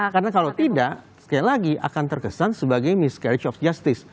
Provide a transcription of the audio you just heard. karena kalau tidak sekali lagi akan terkesan sebagai miscarriage of justice